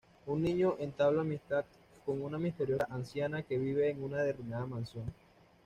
Un niño entabla amistad con una misteriosa anciana que vive en una derruida mansión.